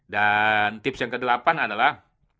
dan tips yang kedelapan adalah